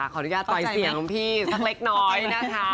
ขออนุญาตปล่อยเสียงของพี่สักเล็กน้อยนะคะ